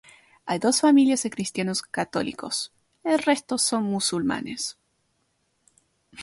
Hay dos familias de cristianos católicos; el resto son musulmanes.